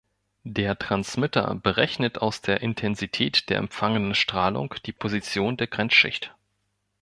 Der Transmitter berechnet aus der Intensität der empfangenen Strahlung die Position der Grenzschicht.